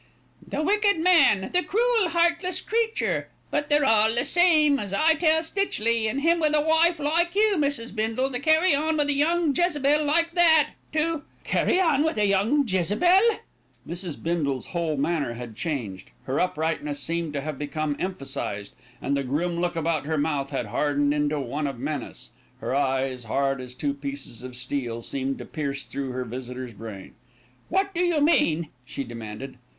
"The wicked man, the cruel, heartless creature; but they're all the same, as I tell Stitchley, and him with a wife like you, Mrs. Bindle, to carry on with a young Jezebel like that, to " "Carry on with a young Jezebel!" Mrs. Bindle's whole manner had changed. Her uprightness seemed to have become emphasised, and the grim look about her mouth had hardened into one of menace. Her eyes, hard as two pieces of steel, seemed to pierce through her visitor's brain. "What do you mean?" she demanded.